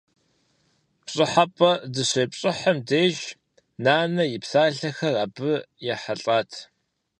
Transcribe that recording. ПщӀыхьэпӀэ дыщепщӀыхьым деж, нанэ и псалъэхэр абы ехьэлӀат.